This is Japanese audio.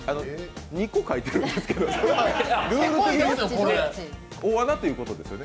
２個書いてるんですけど大穴ってことですよね？